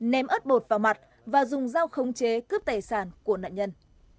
ném ớt bột vào mặt và dùng dao khống chế cướp tài sản của nạn nhân